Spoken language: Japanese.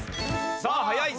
さあ早いぞ。